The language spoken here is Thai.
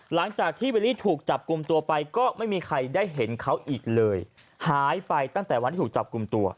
หลังจากที่วิลลี่ถูกจับกลุ่มตัวไปก็ไม่มีใครได้เห็นเขาอีกเลยหายไปตั้งแต่วันที่ถูกจับกลุ่มตัว